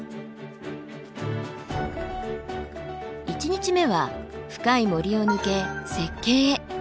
１日目は深い森を抜け雪渓へ。